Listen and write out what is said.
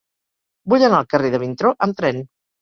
Vull anar al carrer de Vintró amb tren.